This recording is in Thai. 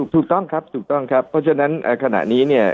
ถูกต้องครับถูกต้องครับเพราะฉะนั้นขณะนี้เนี่ย